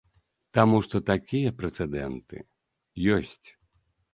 Таму што такія прэцэдэнты ёсць.